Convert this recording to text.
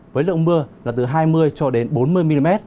với lượng mưa là từ hai mươi cho đến bốn mươi mm